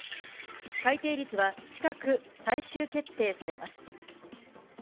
改定率は近く、最終決定されます。